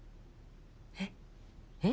えっ？えっ？